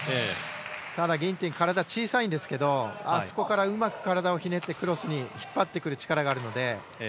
ただギンティン体が小さいんですけどあそこから、うまく体をひねってクロスに引っ張ってくる力があるので。